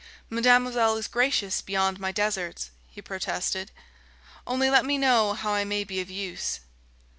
"Mademoiselle is gracious beyond my deserts," he protested. "Only let me know how I may be of use...."